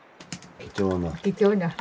貴重な。